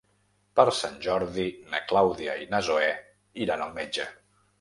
Per Sant Jordi na Clàudia i na Zoè iran al metge.